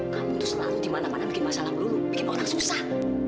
kamu tuh selalu dimana mana bikin masalah dulu bikin orang susah